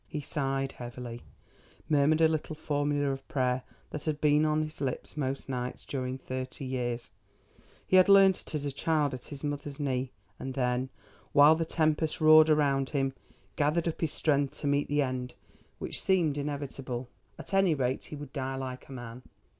He sighed heavily, murmured a little formula of prayer that had been on his lips most nights during thirty years—he had learnt it as a child at his mother's knee—and then, while the tempest roared around him, gathered up his strength to meet the end which seemed inevitable. At any rate he would die like a man.